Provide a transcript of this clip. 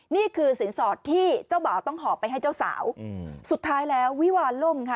นี่คือสินสอดที่เจ้าบ่าวต้องหอบไปให้เจ้าสาวสุดท้ายแล้ววิวาล่มค่ะ